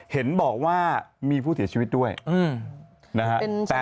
เห็นบอกว่ามีผู้เสียชีวิตด้วยนะฮะ